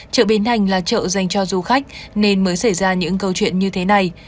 chợ bến thành là chợ dành cho du khách nên mới xảy ra những câu chuyện như thế này